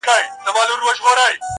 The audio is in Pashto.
o چي د خندا خبري پټي ساتي.